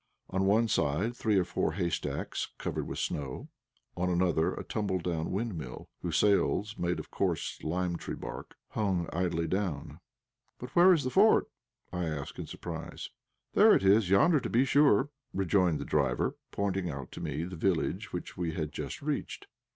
On one side three or four haystacks, half covered with snow; on another a tumble down windmill, whose sails, made of coarse limetree bark, hung idly down. "But where is the fort?" I asked, in surprise. "There it is yonder, to be sure," rejoined the driver, pointing out to me the village which we had just reached.